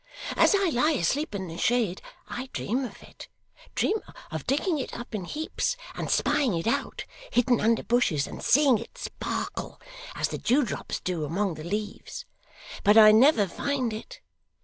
As I lie asleep in the shade, I dream of it dream of digging it up in heaps; and spying it out, hidden under bushes; and seeing it sparkle, as the dew drops do, among the leaves. But I never find it.